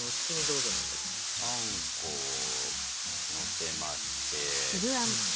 あんこをのせまして。